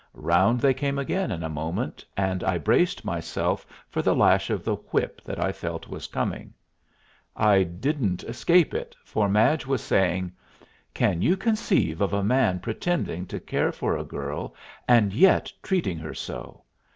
Round they came again in a moment, and I braced myself for the lash of the whip that I felt was coming. I didn't escape it, for Madge was saying, "Can you conceive of a man pretending to care for a girl and yet treating her so?